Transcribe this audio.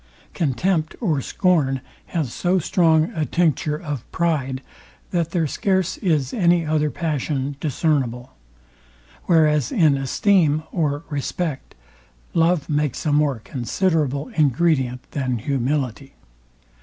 Contempt or scorn has so strong a tincture of pride, that there scarce is any other passion discernable: Whereas in esteem or respect, love makes a more considerable ingredient than humility.